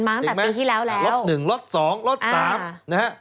สวัสดีค่ะต้อนรับคุณบุษฎี